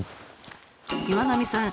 岩浪さん